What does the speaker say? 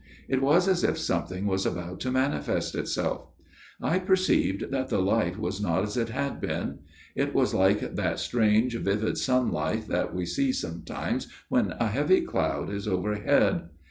It was as if something was about to manifest itself. I per ceived that the light was not as it had been. It was like that strange vivid sunlight that we see sometimes when a heavy cloud is overhead.